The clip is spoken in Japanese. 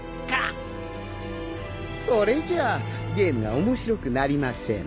それじゃあゲームが面白くなりません。